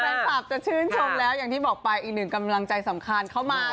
แฟนคลับจะชื่นชมแล้วอย่างที่บอกไปอีกหนึ่งกำลังใจสำคัญเข้ามา